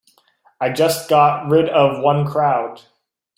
I just got rid of one crowd.